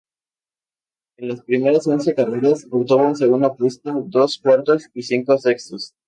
En las primeras once carreras, obtuvo un segundo puesto, dos cuartos y cinco sextos.